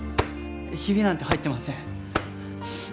ヒビなんて入ってません。